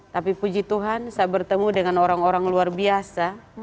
tapi puji tuhan saya bertemu dengan orang orang luar biasa